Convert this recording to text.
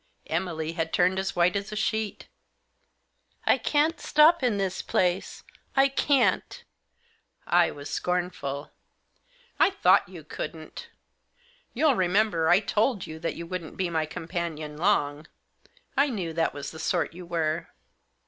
Emily had turned as white as a sheet. " I can't stop in this place — I can't." I was scornful. " I thought you couldn't. You'll remember I told you that you wouldn't be my companion long. I knew that was the sort you were."